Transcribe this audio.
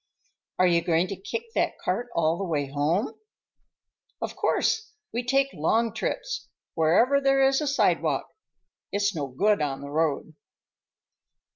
"Are you going to kick that cart all the way home?" "Of course. We take long trips; wherever there is a sidewalk. It's no good on the road."